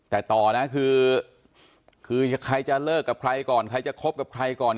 แต่ต่อนะคือคือใครจะเลิกกับใครก่อนใครจะคบกับใครก่อน